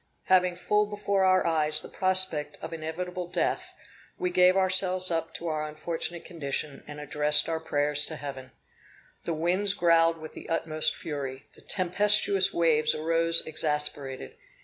Having full before our eyes the prospect of inevitable death, we gave ourselves up to our unfortunate condition, and addressed our prayers to Heaven. The winds growled with the utmost fury; the tempestuous waves arose exasperated.